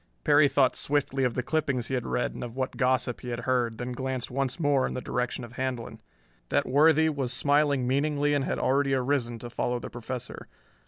Perry thought swiftly of the clippings he had read and of what gossip he had heard, then glanced once more in the direction of Handlon. That worthy was smiling meaningly and had already arisen to follow the Professor.